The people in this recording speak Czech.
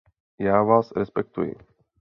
Já vás respektuji.